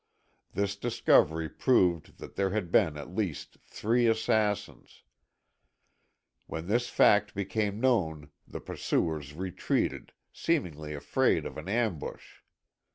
This discovery proved that there had been at least three assassins. When this fact became known the pursuers retreated, seemingly afraid of an ambush.